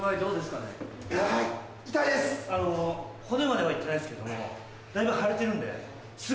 あの骨まではいってないっすけどもだいぶ腫れてるんですぐ。